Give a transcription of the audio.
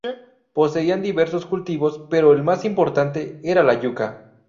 Poseían diversos cultivos, pero el más importante era la yuca.